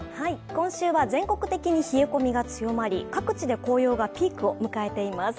今週は全国的に冷え込みが強まり、各地で紅葉がピークを迎えています。